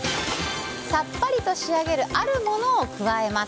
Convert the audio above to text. さっぱりと仕上げるあるものを加えます。